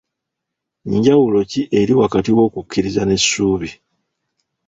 Njawulo ki eri wakati w'okukkiriza n'essuubi?